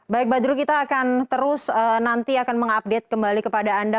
baik badru kita akan terus nanti akan mengupdate kembali kepada anda